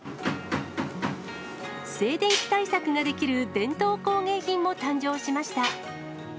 静電気対策ができる伝統工芸品も誕生しました。